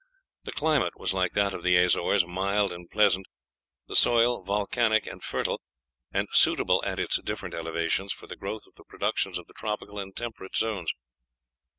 The climate was like that of the Azores, mild and pleasant; the soil volcanic and fertile, and suitable at its different elevations for the growth of the productions of the tropical and temperate zones.